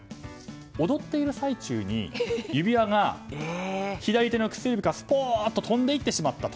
踊っている最中に指輪が左手の薬指からスポンと飛んでいってしまったと。